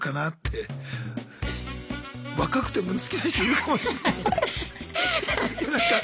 若くても好きな人いるかもしんないのに。